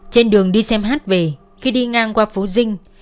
trên đường đi xem hát về khi đi ngang qua phố dinh